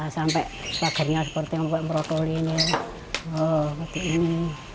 sampai pagarnya seperti ngopek ngopek merokok ini